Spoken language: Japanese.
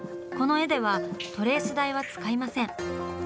この絵ではトレース台は使いません。